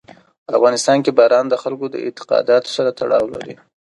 په افغانستان کې باران د خلکو د اعتقاداتو سره تړاو لري.